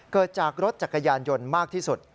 เกิดจากรถจักรยานยนต์มากที่สุด